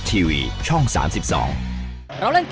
ที่แป่น